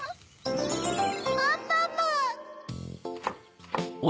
・アンパンマン！